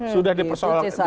sudah di persoalannya